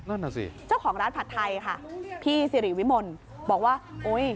นั่นน่ะสิเจ้าของร้านผัดไทยค่ะพี่สิริวิมลบอกว่าโอ้ย